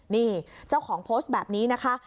นี่เจ้าของโพสต์แบบนี้นะคะ